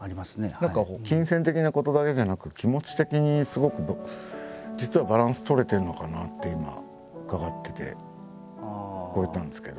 何か金銭的なことだけじゃなく気持ち的にすごく実はバランス取れてるのかなって今伺ってて聞こえたんですけど。